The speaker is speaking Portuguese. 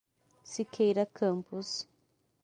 Siqueira Campos